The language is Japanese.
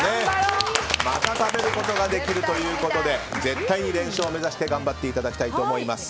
また食べることができるということで絶対に連勝目指して頑張っていただこうと思います。